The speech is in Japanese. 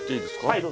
はい。